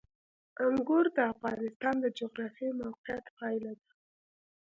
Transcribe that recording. انګور د افغانستان د جغرافیایي موقیعت پایله ده.